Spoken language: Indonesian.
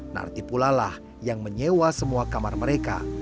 narti pula lah yang menyewa semua kamar mereka